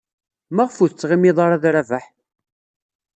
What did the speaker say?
Maɣef ur tettɣimid ara ed Rabaḥ?